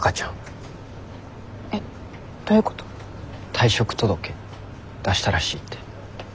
退職届出したらしいって。